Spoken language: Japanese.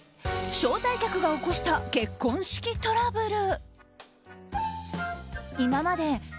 招待客が起こした結婚式トラブル。